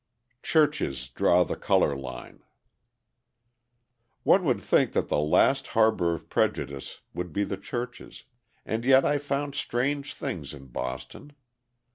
Churches Draw the Colour Line One would think that the last harbour of prejudice would be the churches, and yet I found strange things in Boston.